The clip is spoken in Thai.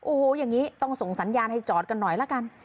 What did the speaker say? โอ้โหอย่างนี้ต้องส่งสัญญาณให้จอดกันหน่อยละกัน